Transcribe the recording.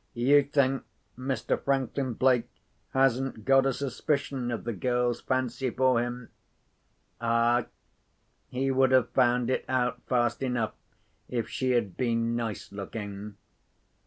You think Mr. Franklin Blake hasn't got a suspicion of the girl's fancy for him? Ah! he would have found it out fast enough if she had been nice looking.